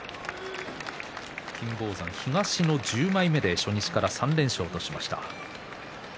金峰山、東の１０枚目で初日から３連勝としました。